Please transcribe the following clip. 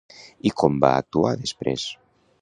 I com va actuar després?